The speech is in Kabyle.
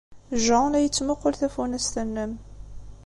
Jean la yettmuqqul tafunast-nnem.